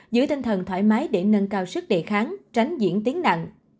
giữ tinh thần thoải mái để nâng cao sức đề kháng tránh diễn tiếng nặng